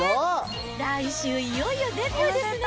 来週いよいよデビューですね。